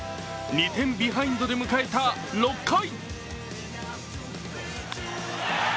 ２点ビハインドで迎えた６回。